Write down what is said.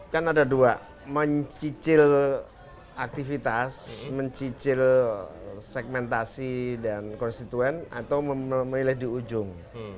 kan ada dua mencicil aktivitas mencicil segmentasi dan konstituen atau memilih di ujung